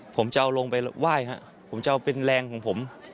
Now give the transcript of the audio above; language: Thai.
ผมจะเอาลงไปไหว้ครับผมจะเอาเป็นแรงของผม